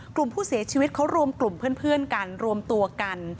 กลุ่มผู้เสียชีวิตเขารวมกลุ่มเพื่อนกันรวมตัวกัน